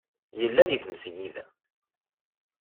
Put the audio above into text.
Yella deg tmesgida.